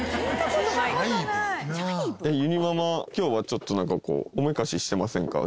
ゆにママ今日はちょっとなんかこうおめかししてませんか？